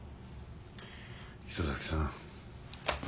磯崎さん。